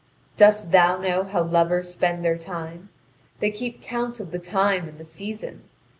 Dost thou know how lovers spend their time? They keep count of the time and the season.